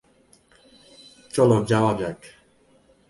চলো যাওয়া যাক।